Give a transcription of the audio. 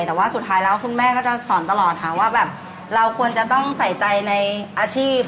แต่ว่าสุดท้ายคุณแม่จะสอนตลอดว่าเราควรจะต้องใส่ใจในอาชีพ